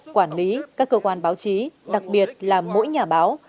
quản lý các cơ quan báo chí đặc biệt là mỗi nhà báo